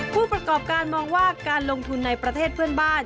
ผู้ประกอบการมองว่าการลงทุนในประเทศเพื่อนบ้าน